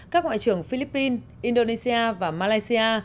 các ngoại trưởng philippines indonesia và malaysia